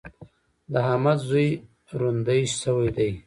د احمد زوی روندی شوی دی.